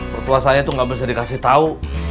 pertua saya itu nggak bisa dikasih tahu